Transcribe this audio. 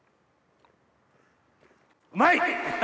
うまい！